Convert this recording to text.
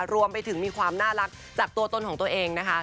รวมไปถึงมีความน่ารักจากตัวตนของตัวเองนะคะ